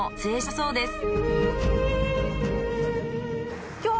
そうですね。